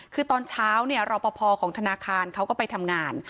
คือตอนเช้าเนี่ยรอปภของธนาคารเขาก็ไปทำงาน